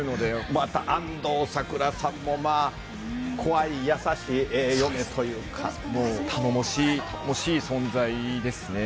また安藤サクラさんもまあ、怖い、もう頼もしい存在ですね。